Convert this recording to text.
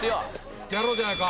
いってやろうじゃないか。